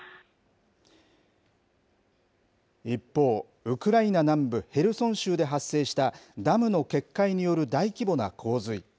一方、ウクライナ南部ヘルソン州で発生したダムの決壊による大規模な洪水。